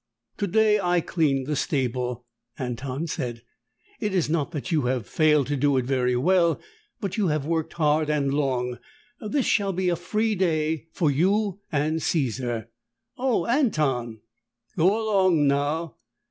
"Today I clean the stable," Anton said. "It is not that you have failed to do it very well, but you have worked hard and long. This shall be a free day for you and Caesar." "Oh, Anton!" "Go along now."